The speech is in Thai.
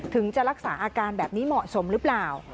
ถึงจะรักษาอาการแบบนี้เหมาะสมหรือเปล่า